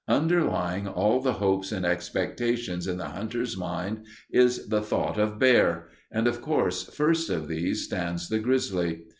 Underlying all the hopes and expectations in the hunter's mind is the thought of bear, and of course first of these stands the grizzly.